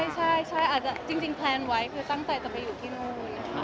จริงแปลนว่าจะตั้งใจไปอยู่ที่นู้น